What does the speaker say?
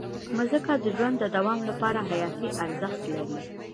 مځکه د ژوند د دوام لپاره حیاتي ارزښت لري.